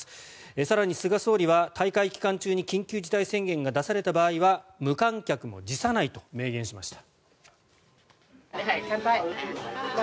更に菅総理は大会期間中に緊急事態宣言が出された場合は無観客も辞さないと明言しました。